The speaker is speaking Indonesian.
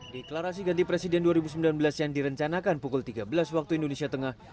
deklarasi ganti presiden dua ribu sembilan belas yang direncanakan pukul tiga belas waktu indonesia tengah